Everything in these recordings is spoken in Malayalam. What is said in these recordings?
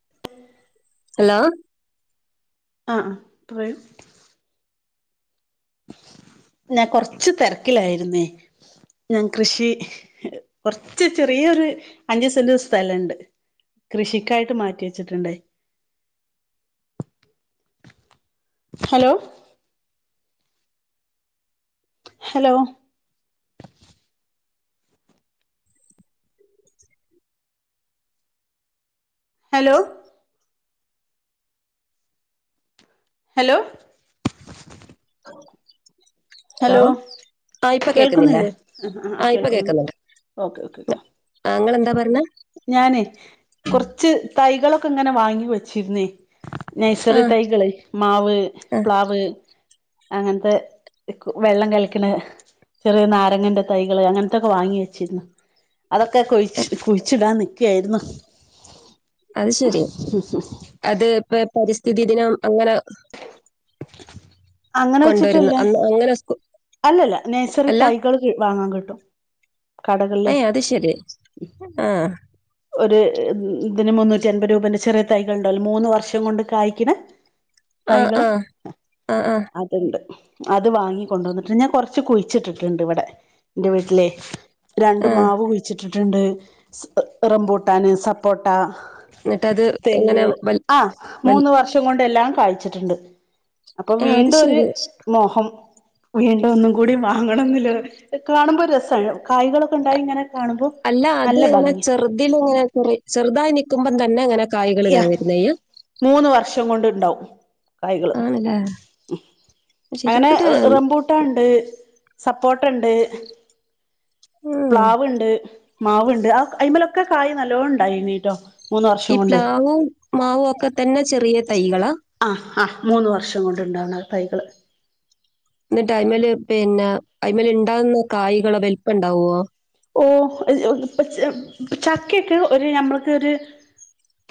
[inaudible] ഹലോ ആഹ ആഹ പറയൂ ഞാൻ കൊറച്ച് തിരക്കിലായിരുന്നേ ഞാൻ കൃഷി കൊറച്ച് ചെറിയൊരു അഞ്ചു സെന്റ് സ്ഥലുണ്ട് കൃഷിക്കായിട്ട് മാറ്റി വെച്ചിട്ടുണ്ടേ [inaudible] hello hello hello hello [inaudible] hello ആ ഇപ്പൊ കേക്കുന്നില്ലേ കേൾക്കുന്നില്ലേ ആ ആ കേൾക്കുന്നു ഓക്കെ ഓക്കേ ക്കെ ആങ്ങളെന്താ പറഞ്ഞത് ഞാനേ കുറച്ച് തൈകളൊക്കെ ഇങ്ങനെ വാങ്ങി വെച്ചിരുന്നേ ആ നൈസറ തൈകള് മാവ് ആ പ്ലാവ് അങ്ങനത്തെ വെള്ളം കളിക്കണ് ചെറിയ നാരങ്ങന്റെ തൈകള് അങ്ങനത്തൊക്കെ വാങ്ങി വെച്ചിരുന്നു അതൊക്കെ കൊഴ കുഴ ച്ചിടാൻ നിക്കയായിരുന്നു അത് ശരി അത് ഇപ്പ പരിസ്ഥിതി ദിനം അങ്ങനെ അങ്ങനെ കൊണ്ടുവരുന്നു വെച്ചിട്ടല്ല അന്ന് അങ്ങനെ സ്കൂ അല്ലല്ല നേഴ്സറി തൈകൾ വാങ്ങാൻ കിട്ടും കടകളില് അയ അത് ശരി ആഹ ഒരു ഇതിന് മുന്നൂറ്റി അൻപത് രൂപേൻറെ ചെറിയ തൈകൾ ഉണ്ടാവല്ലോ മൂന്ന് വർഷം കൊണ്ട് കായ്ക്കണ [inaudible] തൈകള് ആ ആ അത്ണ്ട് അത് വാങ്ങിക്കൊണ്ട വന്നിട്ടുണ്ട് ഞാൻ കൊറച്ച് കുഴിച്ചിട്ടിട്ടുണ്ട് ഇവിടെ എന്റെ വിട്ട്ലേ രണ്ടു ആ മാവ് കുഴിച്ചിട്ടിട്ടുണ്ട് [unintelligible] റംപൂട്ടാന് സപ്പോട്ട എന്നിട്ടത് ഇങ്ങനെ തെങ്ങ വൽ ആഹ വൽ മൂന്ന് വർഷ ഇതുകൊണ്ടെല്ലാം കായിച്ചട്ടുണ്ട് അപ്പൊ ആ അത് വീണ്ടും ഒരു ശരി മോഹം- വീണ്ടും ഒന്നും കൂടി വാങ്ങണമെന്നുണ്ടായിരുന്ന് കാണുമ്പോ രസാണ് കായകളൊക്കെ ഉണ്ടായി കാണുമ്പോ ഇങ്ങനെ കാണുമ്പോൾ- അല്ല അത് ഇങ്ങനേ ചെറുതിനിന്ന് ഇങ്ങനെ ചെറുതായി നൽക്കുമ്പം തന്നെ അങ്ങനെ കായ്കൾ യാ ഇങ്ങനെ വരുന്നയ- മൂന്ന് വർഷം കൊണ്ടുണ്ടാവും തൈകള് ആണല്ലേ ഉം ശരി അങ്ങനെ ഇവിടെ റം റംബൂട്ട് ട്ട്ണ്ട് സപ്പോട്ടുണ്ട് ഉം, പ്ലാവുണ്ട് മാവുണ്ട് ആ അയിലമലൊക്കെ കായ നല്ലോ ഉണ്ടായി എങ്ങീട്ടോ മൂന്ന് ഈ വർഷം കൊണ്ട് മാവും പ്ലാവും ഒക്കെ തന്നെ ചെറിയ തൈകളാ അ ആ മൂന്ന് വർഷം കൊണ്ടുണ്ടാവുന്ന തൈകള് എന്നിട്ട് ഐയ്മേൽ പിന്നെ ഐമൽ ഉണ്ടാവുന്ന കായകള് വലുപ്പംണ്ടാവോ- ഓ [unintelligible] ചക്കയൊക്കെ ഒരു നമ്മക്കൊരു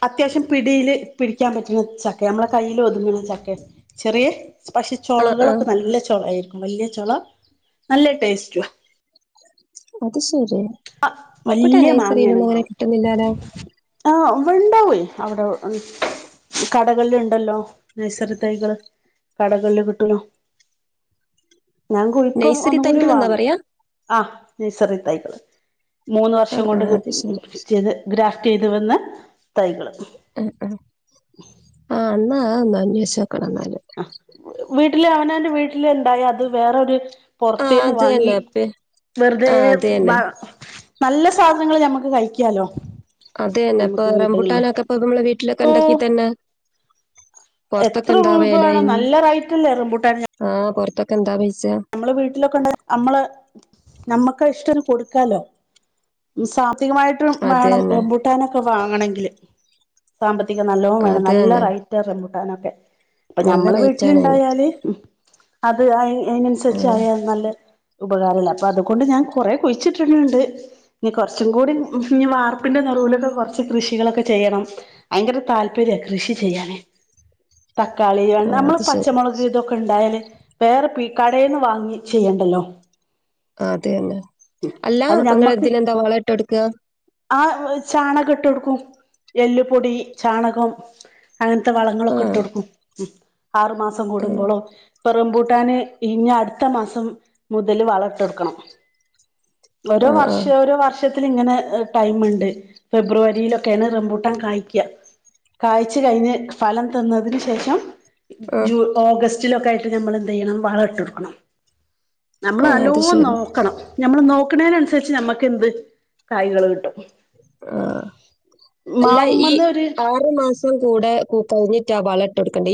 അത്യാവശ്യം പിടിയില് പിടിക്കാൻ പറ്റുന്ന ചക്കയാണ് നമ്മളെ കയ്യിൽ ഒതുങ്ങുന്ന ചക്ക ചെറിയ പക്ഷെ ആഹ് ആഹ് ചോളകളൊക്കെ നല്ല ചോള ആയിരിക്കും വലിയ ചോള നല്ല ടേസ്റ്റുവാ അത് ശരി അ ഇബടെ വലിയ മാങ്ങയാണ് നഴ്സറിന്നൊന്നും അങ്ങനെ മാവ് - കിട്ടുന്നില്ലാലോ. അ [unintelligible] അവിടെ ആഹ് കടകളിൽ ഉണ്ടല്ലോ നേഴ്സറി തൈകള് കടകളിലൂ കിട്ടോലോ ഞാൻ കുലുക്കും നഴ്സറി ഒന്നും കൂടി തൈകൾ എന്നാ വാങ്ങും പറയാ? അ നേഴ്സറി തൈകള് മൂന്ന് വർഷം ആഹ് കൊണ്ട് ആഹ് അത് ശരി. [unintelligible] ചെയ്ത് ഗ്രാഫ്റ്റ് ചെയ്ത് വന്ന തൈകള് ആഹ് ആഹ് ആഹ് അല്ല ഒന്ന് അനേഷിച്ചുനോക്കണം എന്നാല് ആഹ് വീട്ടില് അവനവന്റെ വീട്ടില് ഇണ്ടായി അത് വേറൊരു ആഹ് പൊറത്തേന്നു അത് വാങ്ങി തന്നെ പി വെറുതെ ആഹ് അത് തന്നെ. വ- നല്ല സാധനങ്ങള് ഞമ്മക്ക് കഴിക്കാലോ- അതേ എന്ന് ഇപ്പൊ നമുക്ക് വീട്ടുകളില് റംബുട്ടാനൊക്കെപ്പ നമ്മളെ വീട്ടിലൊക്കെ ഉണ്ടക്കി ഓഹ് തന്നെ പൊറത്തൊക്കെ എത്ര എന്താ രൂപയാണ് വെലായിന്. നല്ല റൈറ്റ് അല്ലേ റംബൂട്ടാനു - ആഹ് പൊറത്തൊക്കെ എന്താ പൈസ- നമ്മള് വീട്ടിലൊക്കെ ഉണ്ട നമ്മള് നമ്മക്ക് ഇഷ്ടംത്തിനു കൊടുക്കാലോ സാത്തികമായിട്ടും അത് വേണം തന്നെ റബ്ബൂട്ടാനൊക്കെ വാങ്ങണമെങ്കില് സാമ്പത്തിക നല്ലോം വേണം അത് നല്ല തന്നെ റൈറ്റ റംബൂട്ടാനൊക്കെ അപ്പൊ നല്ല ഞമ്മള് റേറ്റ് ആണ് അയ്ന്. വീട്ടിലിണ്ടായാല് അത് അയ് ഉം അതിനനുസരിച്ചായല്ല നല്ല ഉപകാരമില്ല അപ്പൊ അതുകൊണ്ട് ഞാൻ കുറെ കുഴിച്ചിട്ടുണ്ട് - ഇനി കുറച്ചും കൂടി ഇനി വാർപ്പിന്റെ നെറുവിലൊക്കെ കുറച്ച് കൃഷികളൊക്കെ ചെയ്യണം ഭയങ്കര താല്പര്യ കൃഷി ചെയ്യാന് തക്കാളി ആഹ് നമ്മള് അത് ശരി. പച്ചമുളക് ഇതൊക്കെ ഉണ്ടായല് വേറെ പോയി കടേന്നു വാങ്ങി ചെയ്യണ്ടല്ലോ ആഹ് അതെ തന്നെ അല്ല അത് അപ്പൊ നിങ്ങ ഇതിനെന്താ വള ഇട്ട് കൊടുക്ക ആഹ് ചാണകം ഇട്ട് കൊടുക്കും എല്ലുപ്പൊടി ചാണകം അങ്ങനത്തെ വളങ്ങളൊക്കെ ഇട്ട് ആഹ് കൊടുക്കും ഉം ആറു മാസം ഉം കൂടുമ്പോള്ളോ റംബൂട്ടാന് ഇനി അടുത്ത മാസം മുതല് വളം ഇട്ടുകൊടുക്കണം ഓരോ ആഹ് വർഷ ആഹ് ഓരോ വർഷത്തിനിങ്ങനെ - ടൈമുണ്ട് ഫെബ്രുവരിയിലൊക്കെയാണ് റംമ്പൂട്ടാൻ കായിക്ക കായിച്ചു കഴിഞ്ഞ് ഫലം തിന്നതിനു ശേഷം ആഹ് ജൂൺ ഓഗസ്റ്റിലൊക്കെ ആയിട്ട് നമ്മൾ എന്ത ചെയ്യണം വളമിട്ടു കൊടുക്കണം. നമ്മൾ ആഹ് നല്ലോ അത് ശരി നോക്കണം നമ്മൾ നോക്കണനുസരിച്ച് നമ്മുക്ക് എന്ത് കായകൾ കിട്ടും. ആഹ് അല്ല ഈ മാവുമ്പന്ന് ഒരു ആറ് മാസം കൂടെ പൂവിട്ട വളം ഇട്ടുകൊടുക്കണ്ടേ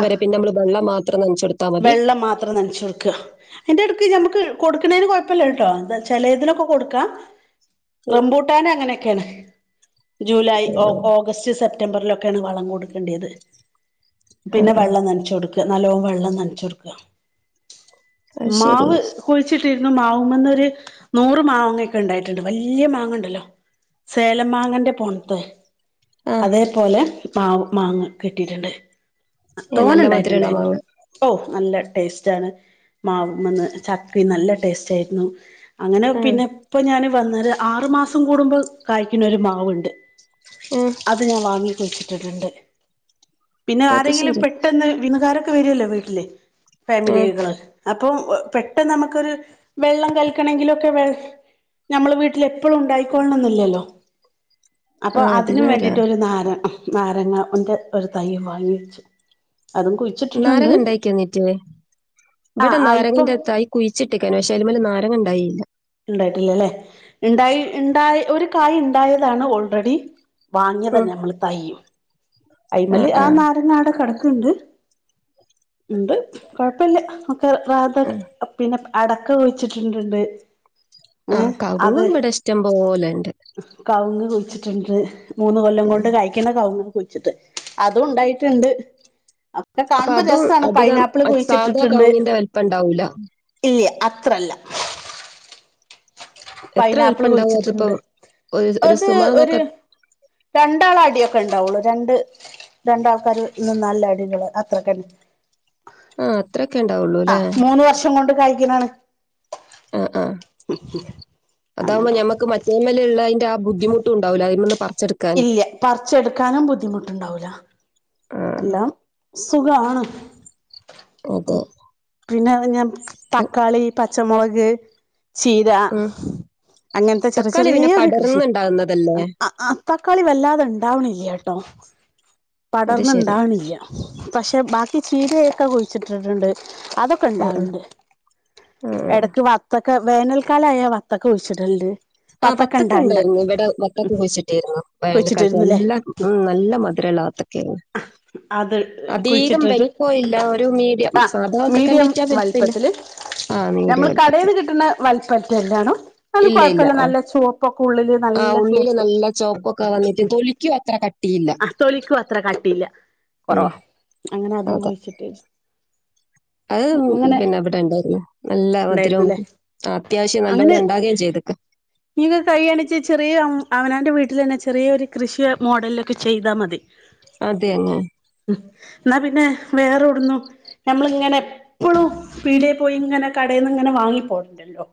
ആഹ് പിന്നെ നമ്മള് വെള്ളം മാത്രം നനച്ച കൊടുക്ക വെള്ളം മാത്രം നനച്ചൊ കൊടുക്കുക തിന്റെ എടുക്ക് ഞമ്മക്ക് കൊടുക്കുന്നേന് കൊയപ്പല്ല കേട്ടോ!. എന്താച്ചാല്, ഇതിനൊക്കെ കൊടുക്കാം റംബൂട്ടാന് അങ്ങനെയൊക്കെയാണ് ജൂലൈ ആഹ് ഓഗസ്റ്റ് സെപ്റ്റംബറിലൊ [unintelligible] വളം കൊടുക്കേണ്ടത് ആഹ് പിന്നെ ആഹ് വെള്ളം നനച്ച് കൊടുക്ക നല്ലോണം വെള്ളം ന [unintelligible] അത് ശരി മാവ് കുഴിച്ചിട്ടിരുന്നു മാവുമ്മേന്നൊരു നൂറ് മാങ്ങ ഒക്കെ ഉണ്ടായിട്ടുണ്ട് വല്യ മാങ്ങ ഉണ്ടല്ലോ സേലം മാങ്ങന്റെ [unintelligible] ആഹ് അതേപോലെ മാവ് മാങ്ങ കിട്ടിയിട്ടുണ്ട് ഏഹ് തോനെ നല്ല മധുരള്ള ഉണ്ടായിട്ടുണ്ടായിരുന്നു മാങ്ങ ഓ നല്ല ടേസ്റ്റ് ആണ് മാവുമെന്നു ചക്കയും നല്ല ടേസ്റ്റ് ആയിരുന്നു അങ്ങനെ, ആഹ് പിന്നെ ഇപ്പൊ ഞാന് വന്നേരെ, ആറു മാസം കൂടുമ്പോ കായ്ക്കണൊരു മാവുണ്ട്. ഉം അത് ഞാൻ വാങ്ങിക്കഴിച്ചിട്ടിട്ടുണ്ട് പിന്നെ അത് ആരെങ്കിലും ശരി പെ ട്ടന്ന് വിനുകാരൊക്കെ വരുല്ലോ വീട്ടില് ആഹ് ഫാമിലികള് അപ്പം പെട്ടെന്ന് നമുക്കൊരു വെള്ളം കൽക്കണെങ്കിൽ ഒക്കെ വെ നമ്മൾ വീട്ടിൽ എപ്പോഴും ഉണ്ടായിക്കോളണം എന്നില്ലല്ലോ അപ്പൊ, ആഹ് അത് അതിനും നേരാ വേണ്ടിട്ട് ഒരു നാര, നാരങ്ങ ഉന്റെ ഒരു തൈയ്യും വാങ്ങിച്ചു. അതും കുഴി നാരങ്ങ ഉണ്ടായി കഴിഞ്ഞിട്ടില്ലേ ഇവിടെ ആഹ് ആഹ് ഇപ്പം നാരങ്ങന്റെ തൈ കുഴിച്ചിട്ടിക്കാണ് പക്ഷെ അതുംമെല് നാരങ്ങ ഉണ്ടായില്ല ഉണ്ടായിട്ടില്ലല്ലെ ഇണ്ടായി ഇണ്ടായി ഒരു കായ് ഇണ്ടായതാണ് ഓൾറെഡി വാങ്ങിയതാ ഉം നമ്മള് തൈയ്യ് അയിമല് ആഹ് ആ ആഹ് നാരങ്ങാടെ കെടക്കുണ്ട് ഉണ്ട് കുഴപ്പില്ല ഉം [unintelligible] പിന്നെ അടക്ക കുഴിച്ചിട്ടിട്ടുണ്ട് ആഹ് കവുങ്ങ് ഇവിടെ ഇഷ്ടം പോലെ ണ്ട് കവുങ്ങ് കുഴിച്ചിട്ടിട്ടുണ്ട് മൂന്ന് കൊല്ലം കൊണ്ട് ഉം കായ്ക്കണ കവുങ്ങ് ചിട്ട്, അതും ണ്ടായിട്ട്ണ്ട്. [inaudible] അപ്പൊ കാണുമ്പോ അതും രസാ ണ് അധികം പൈനാപ്പിള് അ- സാധാ കുഴിച്ചിട്ടിട്ടുണ്ട് കവുങ്ങിന്റെ വലിപ്പം ഇണ്ടാവൂല ഇല്യ അത്രല്ല എത്ര പൈനാപ്പിള് വലിപ്പണ്ടാവും അതിപ്പോ കുഴിച്ചിട്ട്ണ്ട്. ഒരു ഒരു അത്, സുമാറ് നോക്ക ഒരു രണ്ടാളെ അടിയൊക്കെ ഇണ്ടാവൊള്ളു. രണ്ട് രണ്ട് ആൾക്കാര്, നിന്നാല്ള്ള അടികള് അത്രക്കെന്നെ ആഹ് അത്രൊക്കെ ഉണ്ടാവുള്ളൂ ല്ലേ ആഹ് മൂന്ന് വർഷം കൊണ്ട് കായ്ക്കുന്നാണ് ആഹ് ആഹ് അതാവുമ്പ അങ്ങനെ ഞമക്ക് മറ്റെമ്മേലുള്ള അയിന്റെ ആ ബുദ്ധിമുട്ടുണ്ടാവില്ല അതിമ്മെന്നു പറിച്ചെടു ഇല്ല്യ പറിച്ചെടുക്കാനും ബുദ്ധിമുട്ടുണ്ടാവൂല ആഹ് എല്ലാം സുഖാണ് അതെ ഉം പിന്നാണ് ഞാൻ ഉം തക്കാളി പച്ചമുളക് ചീര. ഉം. അങ്ങനത്തെ ചെറിയ, തക്കാളി പിന്നെ ചെറിയൊരു കൃഷി പടർന്നുണ്ടാകുന്നതല്ലേ തക്കാളി വല്ലാതെ ഉണ്ടാവണില്യ ട്ടോ അത് [unintelligible] ശരി ഇണ്ടാകണില്ല. പക്ഷെ, ബാക്കി ചീരയൊക്കെ കുഴിച്ചിട്ടിട്ടുണ്ട്. അതോ ക് ആ ആ ഉണ്ടാവണ്ട് ആ ആ ഇടക്ക് വത്തൊക്കെ വേനൽക്കാലായ വത്തക്ക കുഴിച്ചിട്ടുണ്ട് ആഹ്, ബത്തക്ക ണ്ടായിരുന്നു. ഇവിടെ ബത്തക്ക കുഴിച്ചിട്ടേര്ന്നു. വേനൽകാലത്ത്, കുഴിച്ചിട്ടിരുന്നുല്ലേ അതെല്ലാം ഉം നല്ല മധുരൊള്ള ബത്തക്കയരുന്ന് അത്, കുഴിച്ചിട്ടിട്ട്. ഇല്ല ഒരു മീഡിയം ആഹ്, സാധാ വത്തക്കന്റെ മീഡിയം ഇറ്റാ വലിപ്പമില്ല വലിപ്പത്തില് ആ നമ്മൾ മീഡിയം വലിപ്പത്തിൽ കടയിൽന്ന് കിട്ടുന്ന വലിപ്പത്രെയെന്റെയാണോ അത് ഇല്ല കോഴ ഇല്ല ആ നല്ല ചുവപ്പൊക്കെ ഉള്ളില്, ആ നല്ല ഉള്ളില് ചുവപ്പ് നല്ല ചോപ്പൊക്കെ വന്നിട്ട് [unintelligible] തൊലിക്കും അത്ര കട്ടിയില്ല ആഹ്, തൊലിക്കും അത്ര കട്ടിയില്ല ഉം. കുറവാ അങ്ങനെ അതും അതെ. കൊഴിച്ചിട്ട് അത് പിന്നെ ഇവിടെ ഇണ്ടായിരുന്നു നല്ല മധുരവും ഉണ്ടായിരുന്നുല്ലേ ആഹ്, അത്യാവശ്യം അങ്ങനെ നല്ലോണം ണ്ടാവേം ചെയ്ത്ക്ക്. നിങ്ങക്ക് കഴിയാണിച്ചെ ചെറിയ അവനവന്റെ വീട്ടിൽ തന്നെ ചെറിയൊരു കൃഷി മോഡലിലൊക്കെ ചെയ്താ മതി അതെന്നെ ഉം ഇന്നാ പിന്നെ വേറെടുന്നും ഞമ്മളിങ്ങനെ എപ്പളും പ്പീടേ പോയി ഇങ്ങനെ കടയിൽന്ന് ഇങ്ങനെ വാങ്ങി പോരണ്ടല്ലോ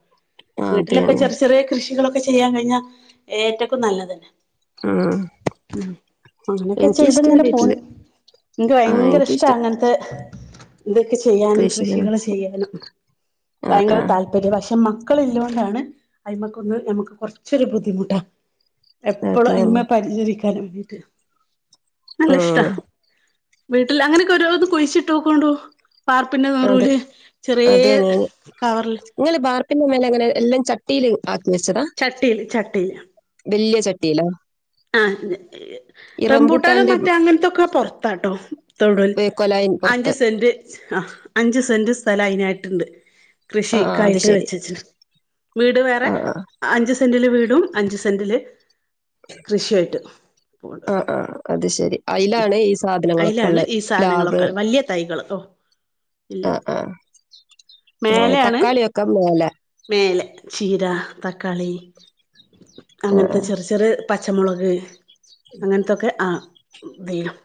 ആ അത് വീട്ടിലൊക്കെ തന്നെ. ചെറിയ ചെറിയ കൃഷികളൊക്കെ ചെയ്യാൻ കഴിഞ്ഞാൽ ഏറ്റക്കും നല്ലതന്നെ ഉം. ഉം അങ്ങനെക്കെ എനിക്കിഷ്ടാ ചെത്ങ്ങനെ പോണ് വീട്ടില്. ഇൻക്ക് ആ ഭയങ്കര ഇഷ്ടാ എനിക്കിഷ്ടം അങ്ങനത്തെ ഇതൊക്കെ ചെയ്യാനും കൃഷികള്. കൃഷികൾ ചെയ്യാനും ആ ഭയങ്കര ആ താല്പര്യാ പക്ഷെ മക്കള് ഇല്ലോണ്ടാണ് അയ്മക്കൊന്ന് നമുക്ക് കുറച്ചൊരു ബുദ്ധിമുട്ടാ അത് എപ്പളും തന്നെ. അയിമെ പരിചരിക്കാൻ വേണ്ടീട്ട് നല്ല ഇഷ്ടാ. ഉം. വീട്ടിൽ അങ്ങനെയൊക്കെ ഓരോന്ന് കുഴിച്ചിട്ട് നോക്കോണ്ടൂ. ബാർപ്പിന്റെ അത് നെറൂല്. ചെറീയ അതേനി. കവർല്. ഇങ്ങള് ബാർപ്പിന്റെ മേലെ. അങ്ങനെ എല്ലം ചട്ടീല് ആക്കി വെച്ചതാ? ചട്ടീൽ ചട്ടീൽ. വല്ല്യ ചട്ടീലോ? ആഹ്. റമ്പൂട്ടാനും റംബൂട്ടാന്റെ മറ്റേ അങ്ങനത്തൊക്കെ പൊർത്താട്ടോ. തൊടൂല് വേ കൊലായിൻ അഞ്ച് പൊറത്ത്. സെന്റ് ആഹ് അഞ്ച് സെന്റ് സ്ഥലം അയിനായിട്ട്ണ്ട് ആ ആ അത് കൃഷിക്കായിട്ട് ശരി. വെച്ചച്ച്ണ്. വീട് വേറെ ആ ആ. അഞ്ച് സെന്റ്ല് വീടും അഞ്ച് സെന്റ്ല് കൃഷി ആയിട്ട്. ആ ആ അത് ശരി. അയിലാണ് ഈ സാധനങ്ങളൊക്കെ അയിലാണ് ഉള്ളത്. ഈ പ്ലാവ് സാധനങ്ങളൊക്കെ വലിയ തൈകള് ഇല്ലത് ആഹ്.. ആ ആ മേലെയാണ് തക്കാളിയൊക്കെ മേലെ.. മേലെ ചീര, തക്കാളി. ആ ആ. അങ്ങനത്തെ ചെറി ചെറിയ പച്ചമുളക്. അങ്ങനതൊക്കെ ആ ഇതിലും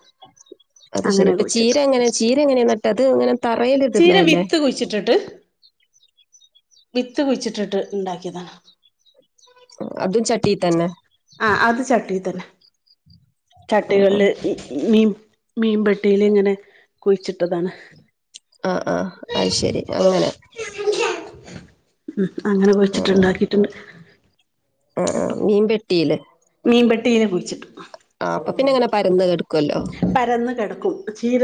അത് ശരി അങ്ങനെ ഇപ്പൊ കുഴിച്ചിടും ചീര ചീര എങ്ങനെ നട്ടത് അത് ഇങ്ങനെ തറയിൽ ചീര ഇടുന്നതല്ലേ വിത്ത് കുഴിച്ച്ട്ടിട്ട്. വിത്ത് കുഴിച്ചിട്ടിട്ട് ഇണ്ടാക്കിയതാണ്. അതും ചട്ടിയിൽ തന്നെ ആഹ് അത് ചട്ടിയിൽ തന്നെ. ആ ആ. ചട്ടികളില് മീൻ മീൻപെട്ടീല് ഇങ്ങനെ കുഴിച്ചിട്ടതാണ്. ആ ആഹ് അത് ശരി അങ്ങനെ. മം അങ്ങനെ കുയിച്ചിട്ട് ഇണ്ടാക്കീട്ട്ണ്ട്. ആഹ് ആ മീൻ പെട്ടീല്. മീൻപെട്ടീല് കുഴിച്ചിട്ടു. ആ അപ്പം പിന്നെ അങ്ങെനെ പരന്ന് കെടക്കും. പരന്ന് കിടക്കും. ചീര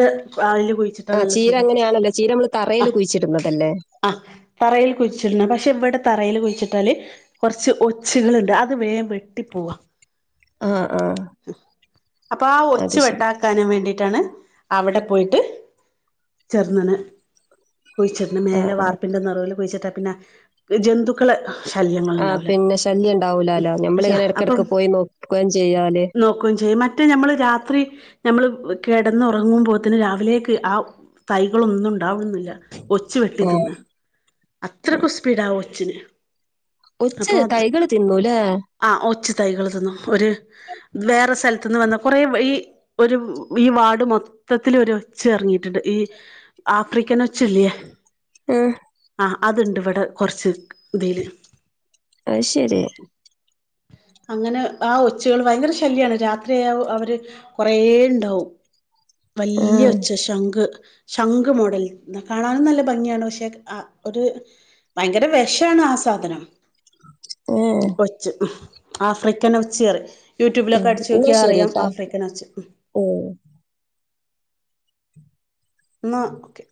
അയില് കുഴിച്ചിട്ടാ ആ നല്ല ചീര സുഖാ അങ്ങനെയാണല്ലോ ചീര നമ്മള് തറയിൽ കുഴിച്ചിടുന്നതല്ലേ? ആഹ് തറയിൽ കുഴിച്ചിടുന്നാ. പക്ഷെ ഇവിടെ തറയിൽ കുഴിച്ചിട്ടാല് കുറച്ച് ഒച്ചകള് ഇണ്ട് അത് വേഗം വെട്ടി പോവാ. ആ ആ അപ്പൊ ആ അത് ഒച്ച് ശരി വെട്ടാ വെട്ടാണ്ടിരിക്കാൻ വേണ്ടീട്ടാണ് അവിടെ പോയിട്ട് ചേർന്നനെ കുഴിച്ച് ആ മേലെ ആ വാർപ്പിന്റെ നെറൂൽ കുഴിച്ചിട്ടാ പിന്നെ ജന്തുക്കളെ ശല്യങ്ങൾ ആ ഉണ്ടാവില്ല പിന്നെ ശല്യം ഇണ്ടാവൂലാല്ലോ? പക്ഷെ ഞമ്മളിങ്ങനെ ഇടക്കിടക്ക് പോയി നോക്കി നോക്കേം ചെയ്യാല്. നോക്കൂം ചെയ്യും മറ്റ് മറ്റേ നമ്മള് രാത്രി. നമ്മള് കിടന്നറങ്ങുമ്പോത്ത്ന് രാവിലേക്ക് ആ തൈകളൊന്നും ഇണ്ടാവുന്നില്ല. ഒച്ച് വെട്ടി ഉം. തിന്നാ. അത്രയ്ക്കും സ്പീഡാ ആ ഒച്ചിന് ഒച്ച് അപ്പൊ അത് തൈകള് തിന്നൂലേ? ആ ഒച്ചു തൈകള് തിന്നു ഒരു വേറെ സ്ഥലത്ത്ന്ന് വന്ന കൊറെേ ഈ ഒരു ഈ വാട് മൊത്തത്തിൽ ഒരു ഒച്ച് ഇറങ്ങിയിട്ടുണ്ട് ഈ ആഫ്രിക്കൻഓച്ചില്ലേ ആ അതുണ്ട് ഇവിടെ കുറച്ച് ഇതിൽ അയ്ശരി. അങ്ങനെ ആ ഒച്ചുകൾ ഭയങ്കര ശല്യമാണ് രാത്രിയയാ അവർ കൊറെേ ഉണ്ടാവും ആ വലിയ ഒച്ച് ശങ്ക് ശംഖ് മോഡൽ കാണാനും നല്ല ഭംഗിയാണ് പക്ഷേ അ ഒരു ഭയങ്കര വെഷാണ് ആ സാധനം ഏഹ് ഒച്ച് ആഫ്രിക്കൻ ഒച്ച് പറയും യൂട്യൂബിലൊക്കെ അടിച്ച് നോക്കിയാൽ അറിയാം ആഫ്രിക്കൻ ഒച്ച്. ഓ ന്നാ ഓക്കെ